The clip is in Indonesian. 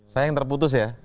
saya yang terputus ya